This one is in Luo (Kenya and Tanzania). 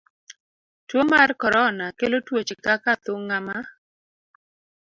Tuo mar korona kelo tuoche kaka athung'a ma